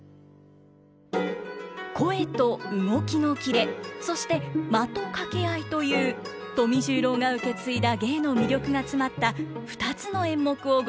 「声と動きのキレ」そして「間と掛け合い」という富十郎が受け継いだ芸の魅力が詰まった２つの演目をご覧ください。